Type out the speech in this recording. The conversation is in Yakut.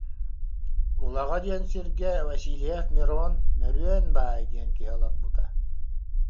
Улаҕа диэн сиргэ Васильев Мирон-Мөрүөн баай диэн киһи олорбута